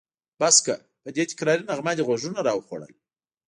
بس که! په دې تکراري نغمه دې غوږونه راوخوړل.